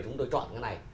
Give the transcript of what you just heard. chúng tôi chọn cái này